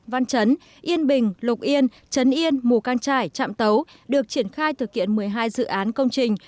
văn chấn yên bình lục yên trấn yên mù cang trải trạm tấu được triển khai thực hiện một mươi hai dự án công trình